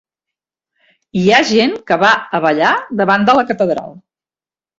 Hi ha gent que va a ballar davant de la Catedral